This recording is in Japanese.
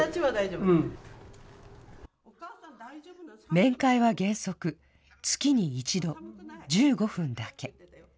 面会は原則、月に１度、１５分だけ。